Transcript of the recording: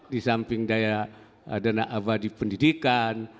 di samping dana abadi pendidikan